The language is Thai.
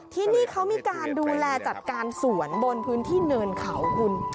ที่นี่เขามีการดูแลจัดการสวนบนพื้นที่เนินเขาคุณ